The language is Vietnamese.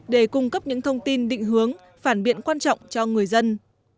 để cung cấp những thông tin định hướng phản biện quan trọng cho người dân